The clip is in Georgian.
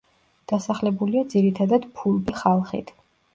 დასახლებულია ძირითადად ფულბე ხალხით.